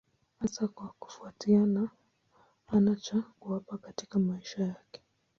Hasa kwa kufuatia hana cha kuwapa katika maisha yake.